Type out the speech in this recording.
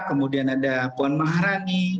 kemudian ada puan maharani